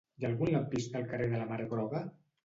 Hi ha algun lampista al carrer de la Mar Groga?